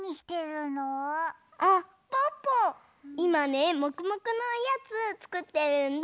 いまねもくもくのおやつつくってるんだ！